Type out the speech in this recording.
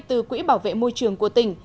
từ quỹ bảo vệ môi trường của tỉnh